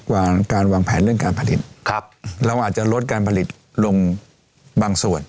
วางการวางแผนเรื่องการผลิตครับเราอาจจะลดการผลิตลงบางส่วน